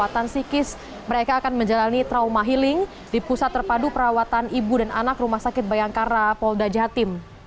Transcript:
perawatan psikis mereka akan menjalani trauma healing di pusat terpadu perawatan ibu dan anak rumah sakit bayangkara polda jatim